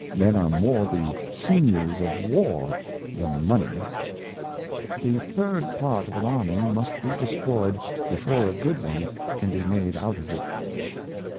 Men are more the Sinews of War than Money. The third part of an Army must be destroyed, before a good one can be made out of it.